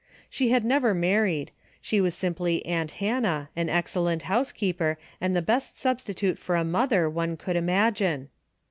She had never married, she was simply aunt Hannah, an excellent housekeeper, and the best substitute for a mother one could imagine.